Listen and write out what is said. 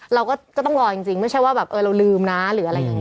เราก็ต้องรอจริงไม่ใช่ว่าแบบเออเราลืมนะหรืออะไรอย่างนี้